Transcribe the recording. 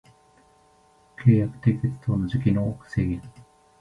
契約締結等の時期の制限